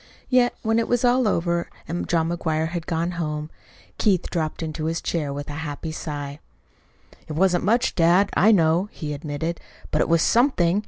Yet, when it was all over, and John McGuire had gone home, Keith dropped into his chair with a happy sigh. "It wasn't much, dad, I know," he admitted, "but it was something.